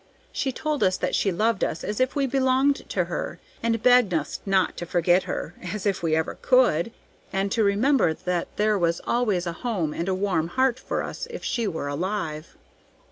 She told us that she loved us as if we belonged to her, and begged us not to forget her, as if we ever could! and to remember that there was always a home and a warm heart for us if she were alive.